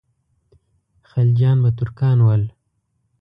خلجیان به ترکان ول.